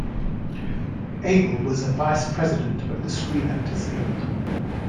Abel was a vice president of the Screen Actors' Guild.